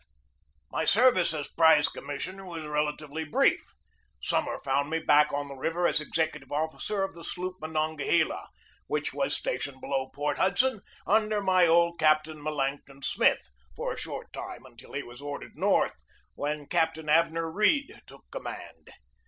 My service as Prize Commissioner was relatively brief. Summer found me back on the river as exec utive officer of the sloop Monongahela, which was stationed below Port Hudson, under my old cap io8 GEORGE DEWEY tain, Melancthon Smith, for a short time until he was ordered north, when Captain Abner Read took com mand.